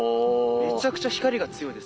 めちゃくちゃ光が強いです。